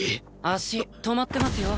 足止まってますよ。